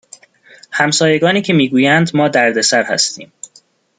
همسایگانی که می گویند ما دردسر هستیم